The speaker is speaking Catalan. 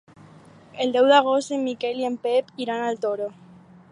El deu d'agost en Miquel i en Pep iran al Toro.